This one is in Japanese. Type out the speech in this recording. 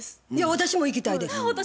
私も行きたいです。